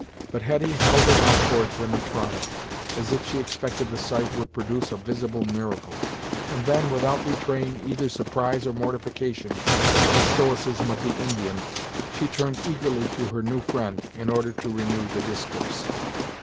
But Hetty held it out towards them in triumph, as if she expected the sight would produce a visible miracle, and then, without betraying either surprise or mortification at the Stoicism of the Indian, she turned eagerly to her new friend, in order to renew the discourse.